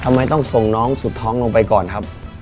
ทำไมต้องส่งน้องสุดท้องลงไปก่อนครับ